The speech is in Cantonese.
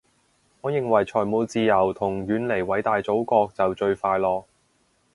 我認為財務自由同遠離偉大祖國就最快樂